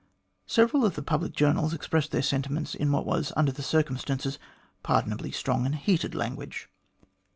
Several of the public journals expressed their sentiments in what was, under the circumstances, pardonably strong and heated language.